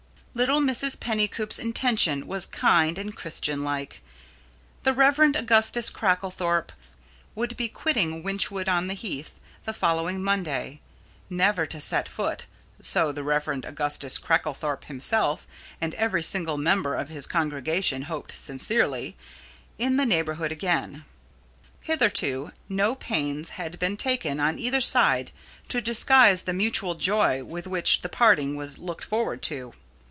Little Mrs. Pennycoop's intention was kind and Christianlike. The Rev. Augustus Cracklethorpe would be quitting Wychwood on the Heath the following Monday, never to set foot so the Rev. Augustus Cracklethorpe himself and every single member of his congregation hoped sincerely in the neighbourhood again. Hitherto no pains had been taken on either side to disguise the mutual joy with which the parting was looked forward to.